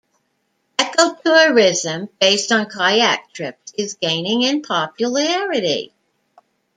Ecotourism based on kayak trips is gaining in popularity.